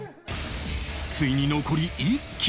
ついに残り１機